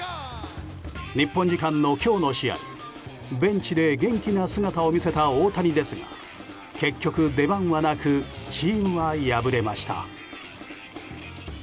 日本時間の今日の試合ベンチで元気な姿を見せた大谷ですが結局、出番はなくチームは敗れました。